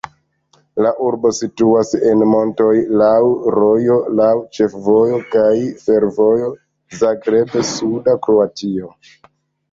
La urbo situas en montoj, laŭ rojo, laŭ ĉefvojo kaj fervojo Zagreb-suda Kroatio.